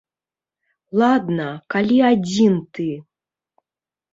Ладна, калі адзін ты.